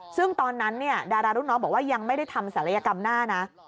ซึ่งตอนนั้นดารารุ่นน้องบอกว่ายังไม่ได้ทำศัลยกรรมหน้านะ